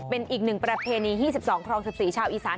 เป็นอีกหนึ่งประเพณี๒๒ครอง๑๔ชาวอีสาน